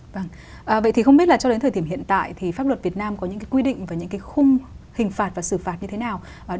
vâng vậy thì không biết là cho đến thời điểm hiện tại thì pháp luật việt nam có những cái quy định và những cái khung hình phạt và xử phạt như thế nào